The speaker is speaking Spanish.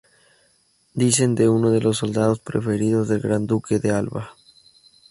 Dicen de uno de los soldados preferidos del Gran Duque de Alba.